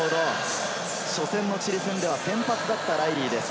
初戦のチリ戦では先発だったライリーです。